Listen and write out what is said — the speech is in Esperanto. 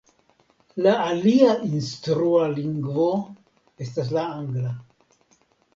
La alia instrua lingvo estas la angla.